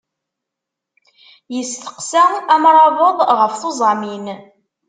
Yestaqsa amṛabeḍ ɣef tuẓamin.